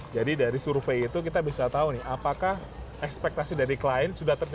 dari survei itu kita bisa tahu nih apakah ekspektasi dari klien sudah terjadi